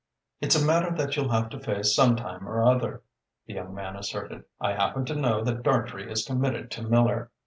"It's a matter that you'll have to face sometime or other," the young man asserted. "I happen to know that Dartrey is committed to Miller."